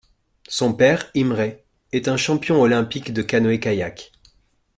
Son père Imre est un champion olympique de canoë-kayak.